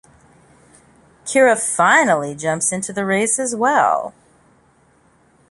Keira finally jumps into the race as well.